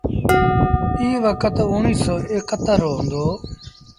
ايٚ وکت اُڻيه سو ايڪ اَتر رو هُݩدو۔